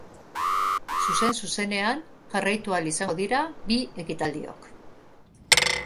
Zuzen-zuzenean jarraitu ahal izango dira bi ekitaldiok.